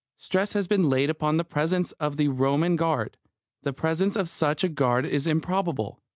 Stress has been laid upon the presence of the Roman guard. The presence of such a guard is improbable.